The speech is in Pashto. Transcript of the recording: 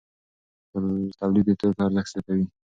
تولید د توکو ارزښت زیاتوي.